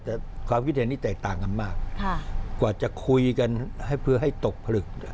แต่ความคิดเห็นนี้แตกต่างกันมากกว่าจะคุยกันให้เพื่อให้ตกผลึก